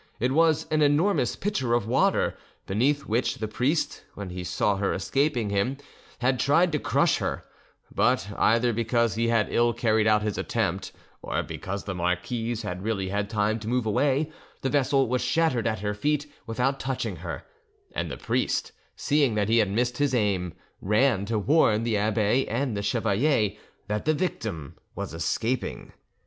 It was an enormous pitcher of water, beneath which the priest, when he saw her escaping him, had tried to crush her; but either because he had ill carried out his attempt or because the marquise had really had time to move away, the vessel was shattered at her feet without touching her, and the priest, seeing that he had missed his aim, ran to warn the abbe and the chevalier that the victim was escaping.